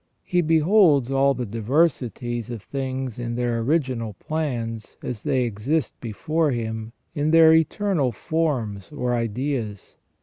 He beholds all the diversities of things in their original plans, as they exist before Him, in their eternal forms or ideas.